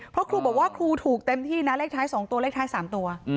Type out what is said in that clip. เพราะครูบอกว่าครูถูกเต็มที่นะเลขท้าย๒ตัวเลขท้าย๓ตัว